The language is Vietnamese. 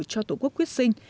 cho tổ quốc quyết sinh